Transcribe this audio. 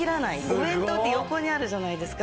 お弁当って横にあるじゃないですか。